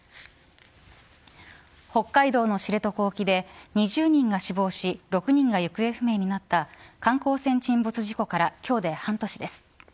北海道の知床沖で２０人が死亡し６人が行方不明になった観光船沈没事故から今日で半年です。